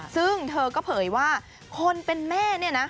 ซึ่งเธอก็เผยว่าคนเป็นแม่เนี่ยนะ